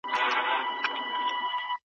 د نیمي شپې آذان ته به زوی مړی ملا راسي